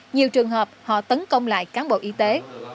nhiều trường hợp họ tấn công lại cán bộ y tế